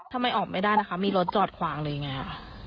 ทำไมออกไม่ได้นะคะมีรถจอดขวางหรือยังไง